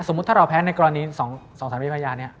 สมมุติถ้าเราแพ้ในกรณี๒๓วิพยานี้